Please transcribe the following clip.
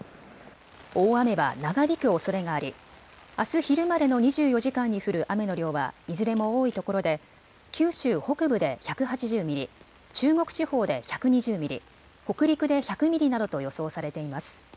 大雨は長引くおそれがありあす昼までの２４時間に降る雨の量はいずれも多いところで九州北部で１８０ミリ、中国地方で１２０ミリ、北陸で１００ミリなどと予想されています。